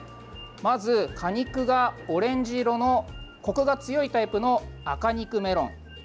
まず、果肉がオレンジ色のこくが強いタイプの赤肉メロン。